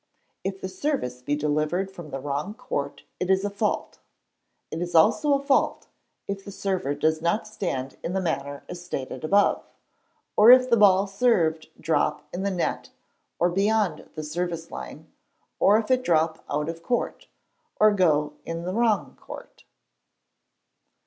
If the service be delivered from the wrong court it is a fault. It is also a fault if the server does not stand in the manner as stated above, or if the ball served drop in the net or beyond the service line, or if it drop out of court, or go in the wrong court.